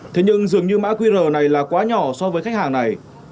thế nhưng dường như mã qr này là quá nhỏ so với khách hàng này